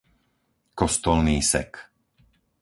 Kostolný Sek